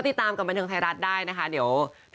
แต่ว่ายังไม่ได้คุยกับพี่เขาเลยค่ะ